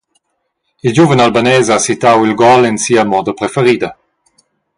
Il giuven Albanes ha sittau il gol en sia moda preferida.